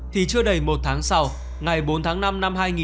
thì chưa đầy một tháng sau ngày bốn tháng năm năm hai nghìn hai mươi